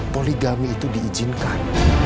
poligami itu diizinkan